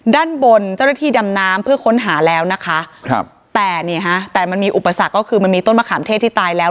ด้านบนเจ้าหน้าที่ดำน้ำเพื่อค้นหาแล้วนะคะครับแต่นี่ฮะแต่มันมีอุปสรรคก็คือมันมีต้นมะขามเทศที่ตายแล้ว